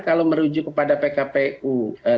kalau merujuk kepada pkpu tiga puluh tiga